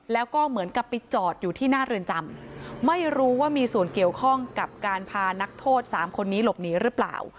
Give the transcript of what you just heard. แล้วก็เหมือนกับไปจอดอยู่ที่หน้าเรือนจำไม่รู้ว่ามีส่วนเกี่ยวข้องกับการพานักโทษสามคนนี้หลบหนีหรือเปล่า